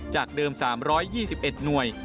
จากเดิม๓๒๑หน่วย